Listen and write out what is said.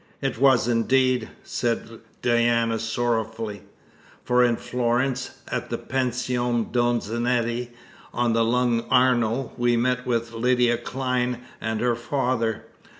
"It was indeed," said Diana sorrowfully, "for in Florence, at the Pension Donizetti, on the Lung Arno, we met with Lydia Clyne and her father.